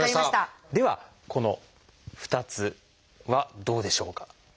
ではこの２つはどうでしょうか？